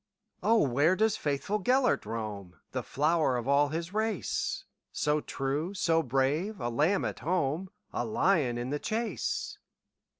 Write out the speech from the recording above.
"O, where doth faithful Gêlert roam, The flower of all his race, So true, so brave,—a lamb at home,A lion in the chase?"